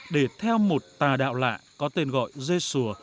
để theo một tà đạo lạ có tên gọi dê sùa